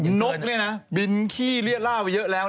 นกเนี้ยนะบินที่เรื้อร่าไปเยอะแล้ว